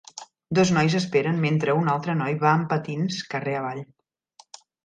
Dos nois esperen mentre un altre noi va amb patins carrer avall.